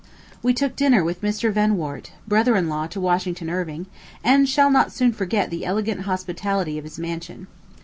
We took dinner with Mr. Vanwart, brother in law to Washington Irving, and shall not soon forget the elegant hospitality of his mansion.